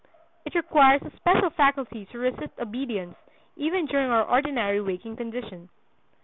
It requires a special faculty to resist obedience, even during our ordinary waking condition.